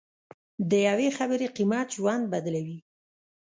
د یوې خبرې قیمت ژوند بدلوي.